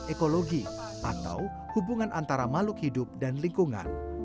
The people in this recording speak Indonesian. ekologi atau hubungan antara makhluk hidup dan lingkungan